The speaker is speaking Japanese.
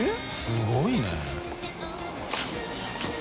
すごいね。